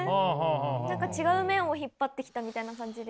何か違う面を引っ張ってきたみたいな感じで。